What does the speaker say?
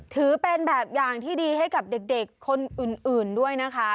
ถือเป็นแบบอย่างที่ดีให้กับเด็กคนอื่นด้วยนะคะ